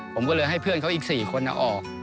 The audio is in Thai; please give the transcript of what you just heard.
ผมก็เลยให้เพื่อนเขาอีก๔คนออก